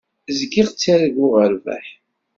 Zgiɣ ttarguɣ rrbeḥ.